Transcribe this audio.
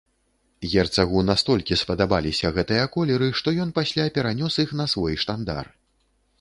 Герцагу настолькі спадабаліся гэтыя колеры, што ён пасля перанёс іх на свой штандар.